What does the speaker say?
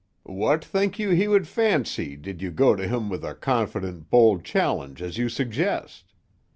"What think you he would fancy, did you go to him with a confident bold challenge as you suggest?